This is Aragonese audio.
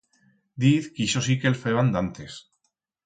Diz que ixo sí que el feban d'antes.